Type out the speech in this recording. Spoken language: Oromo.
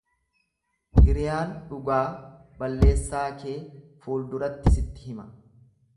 Hiriyaan dhugaa balleessaa kee fuulduratti sitti hima.